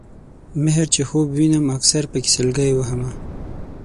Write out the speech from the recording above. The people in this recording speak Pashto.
مِهر چې خوب وینم اکثر پکې سلګۍ وهمه